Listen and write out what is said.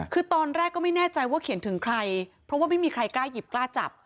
คือตอนแรกก็ไม่แน่ใจว่าเขียนถึงใครเพราะว่าไม่มีใครกล้าหยิบกล้าจับ